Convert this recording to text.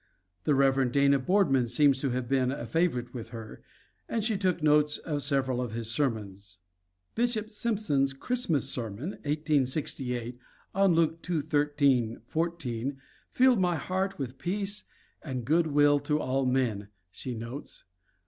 The Rev. Dana Boardman seems to have been a favorite with her and she took notes of several of his sermons. "Bishop Simpson's Christmas sermon (1868) on Luke 2:13, 14, filled my heart with peace and good will to (all) men," she notes.